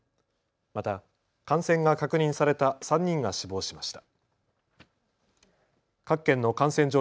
また感染が確認された３人が死亡しました。